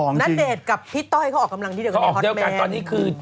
ณเดชน์กับพี่ต้อยเขาออกกำลังที่เดียวกันตอนนี้คือ